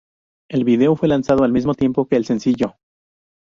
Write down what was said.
El video fue lanzado al mismo tiempo que el sencillo.